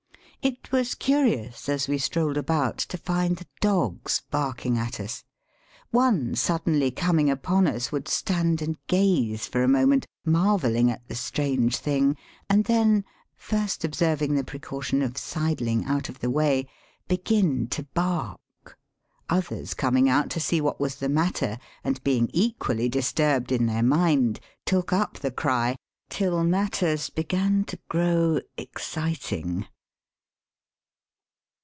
It was curious, as we strolled about, to find the dogs barking at us. One suddenly coming upon us would stand and gaze for a moment, marvelling at the strange thing, and then, first observing the precaution of sidling out of the way, begin to bark. Others coming out to see what was the matter, and being^ equally disturbed in their mind, took up the cry till matters began to grow exciting'.